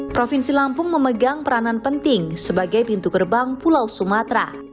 provinsi lampung memegang peranan penting sebagai pintu gerbang pulau sumatera